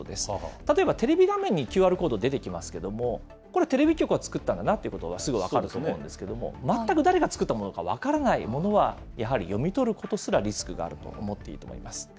例えばテレビ画面にＱＲコード出てきますけれども、これ、テレビ局が作ったんだなということが、すぐ分かると思うんですけれども、全く誰が作ったものが分からないものは、やはり読み取ることすらリスクがあると思っていいと思います。